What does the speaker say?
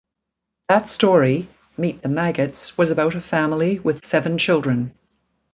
That story, "Meet the Maggots", was about a family with seven children.